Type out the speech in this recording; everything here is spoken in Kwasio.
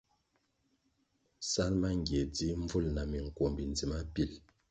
Sal mangie dzih mbvúl na minkwombi ndzima pil.